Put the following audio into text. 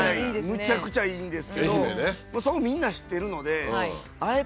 むちゃくちゃいいんですけどそこみんな知ってるのであえてですね